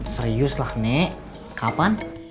serius lah nek kapan